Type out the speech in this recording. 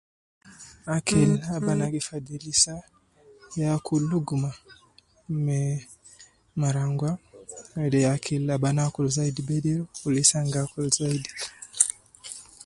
Akili ab ana gi fadhilisa ya akul luguma me marangwa wede ya ab ana akul min bediri Lisa ana gi akulu zaidi